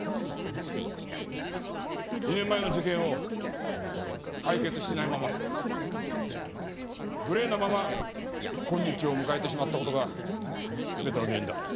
２年前の事件を解決しないままグレーなまま今日を迎えてしまった事が全ての原因だ。